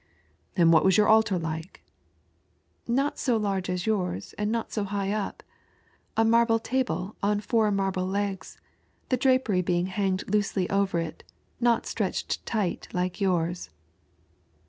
" And what was yom: altar like ?" "Not so large as yours and not so high up. A marble tahle on four marble legs, the drapery hanging loosely over it, not stretched tight like yours."